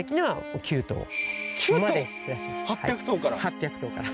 ８００頭から？